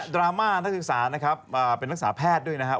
ราม่านักศึกษานะครับเป็นนักศึกษาแพทย์ด้วยนะครับ